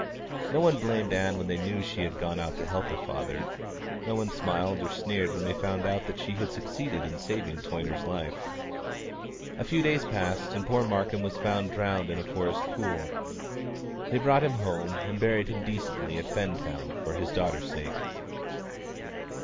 No one blamed Ann when they knew she had gone out to help her father; no one smiled or sneered when they found that she had succeeded in saving Toyner's life. A few days passed, and poor Markham was found drowned in a forest pool. They brought him home and buried him decently at Fentown for his daughter's sake.